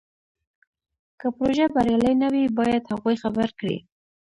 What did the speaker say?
که پروژه بریالۍ نه وي باید هغوی خبر کړي.